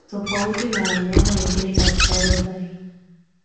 Tofauti na wanyama wengi katika orodha hii